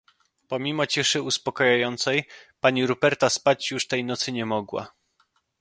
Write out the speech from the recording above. "Pomimo ciszy uspokajającej, pani Ruperta spać już tej nocy nie mogła."